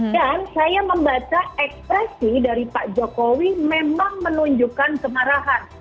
saya membaca ekspresi dari pak jokowi memang menunjukkan kemarahan